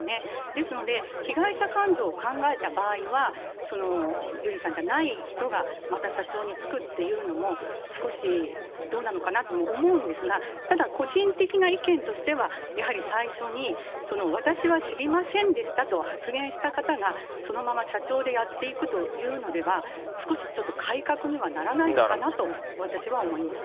ですので、被害者感情を考えた場合は、ジュリーさんじゃない人がまた社長に就くっていうのも、少しどうなのかなとも思うんですが、ただ、個人的な意見としては、やはり最初に私は知りませんでしたと発言した方が、そのまま社長でやっていくというのでは、少しちょっと改革にはならないのかなと、私は思います。